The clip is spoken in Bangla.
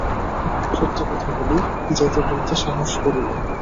সত্যি কথা বলি, যেতে বলতে সাহস করি নে।